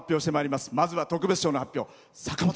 まずは特別賞の発表。